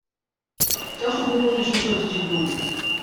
加速公共藝術設置進度